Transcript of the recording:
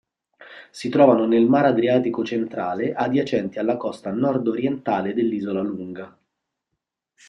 Si trovano nel mar Adriatico centrale, adiacenti alla costa nord-orientale dell'Isola Lunga.